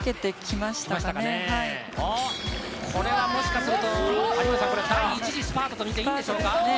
これはもしかすると有森さんこれ第１次スパートとみていいんでしょうか。